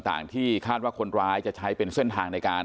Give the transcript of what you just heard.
ต่างที่คาดว่าคนร้ายจะใช้เป็นเส้นทางในการ